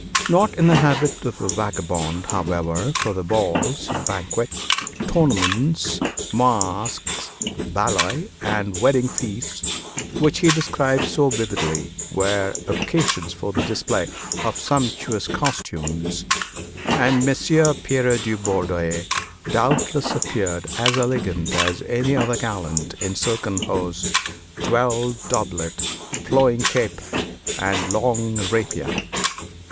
Not in the habit of a vagabond, however, for the balls, banquets, tournaments, masques, ballets, and wedding feasts which he describes so vividly were occasions for the display of sumptuous costumes; and Messire Pierre de Bourdeille doubtless appeared as elegant as any other gallant in silken hose, jeweled doublet, flowing cape, and long rapier.